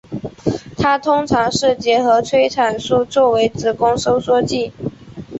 它通常结合催产素作为子宫收缩剂。